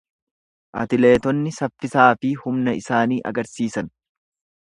Atleetonni saffisa fi humna isaanii agarsiisan.